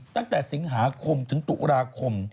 ตั้งแต่สิงหาคมถึงตุลาคม